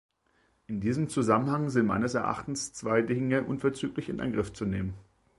In diesem Zusammenhang sind meines Erachtens zwei Dinge unverzüglich in Angriff zu nehmen.